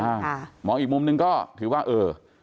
ก็ได้ใช้ชีวิตอยู่ในวัดเหมาะอีกมุมหนึ่งก็คือว่าเอ่อ